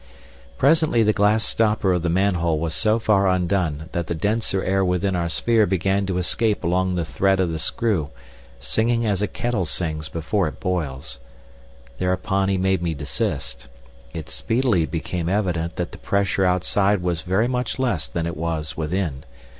Presently the glass stopper of the manhole was so far undone that the denser air within our sphere began to escape along the thread of the screw, singing as a kettle sings before it boils. Thereupon he made me desist. It speedily became evident that the pressure outside was very much less than it was within.